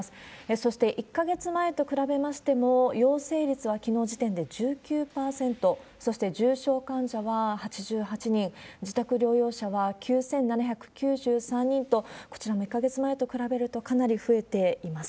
そして１か月前と比べましても、陽性率はきのう時点で１９％、そして重症患者は８８人、自宅療養者は９７９３人と、こちらも１か月前と比べると、かなり増えています。